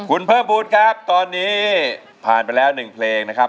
คุณเพิ่มบูธครับตอนนี้ผ่านไปแล้ว๑เพลงนะครับ